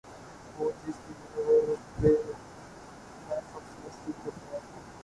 ہو جس کے رگ و پے میں فقط مستی کردار